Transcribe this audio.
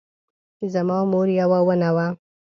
زما مور یوه ونه وه